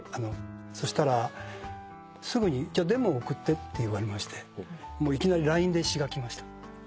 そしたら「すぐにデモを送って」って言われましていきなりＬＩＮＥで詞が来ました。